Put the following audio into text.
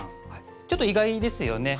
ちょっと意外ですよね。